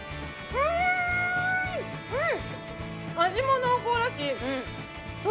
うんうん